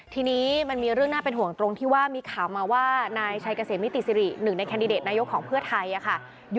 ทีนี้มันมีเรื่องน่าเป็นห่วงตรงที่ว่ามีข่าวมาว่านายชัยเกษมนิติสิริหนึ่งในแคนดิเดตนายกของเพื่อไทยค่ะ